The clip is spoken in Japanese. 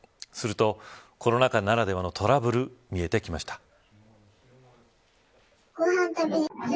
すると、コロナ禍ならではのトラブル、見えてきました。